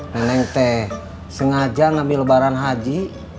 neneng teh sengaja ngambil lebaran haji